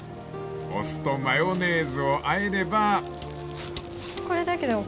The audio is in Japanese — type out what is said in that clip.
［お酢とマヨネーズをあえれば］